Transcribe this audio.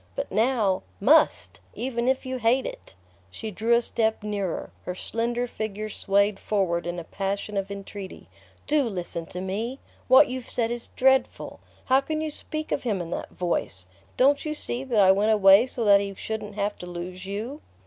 But now MUST, even if you hate it!" She drew a step nearer, her slender figure swayed forward in a passion of entreaty. "Do listen to me! What you've said is dreadful. How can you speak of him in that voice? Don't you see that I went away so that he shouldn't have to lose you?"